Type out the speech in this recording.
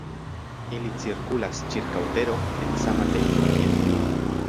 Ili cirkulas ĉirkaŭ Tero en sama tempo kiel Luno.